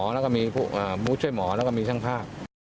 แล้วก็มีผู้ช่วยหมอแล้วก็มีช่างภาพ